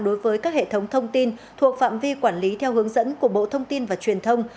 đối với các hệ thống thông tin thuộc phạm vi quản lý theo hướng dẫn của bộ thông tin và truyền thông